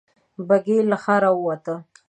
بګۍ له ښاره ووته.